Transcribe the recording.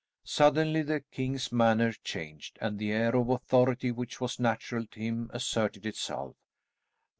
Suddenly the king's manner changed, and the air of authority which was natural to him asserted itself.